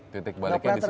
titik baliknya disitu ya